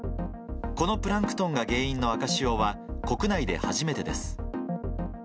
このプランクトンが原因の赤潮は国内で初めてです。